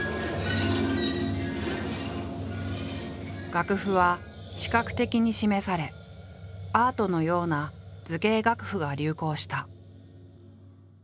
楽譜は視覚的に示されアートのような図形楽譜が流行した。